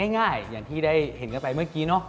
ง่ายอย่างที่ได้เห็นกันไปเมื่อกี้เนอะ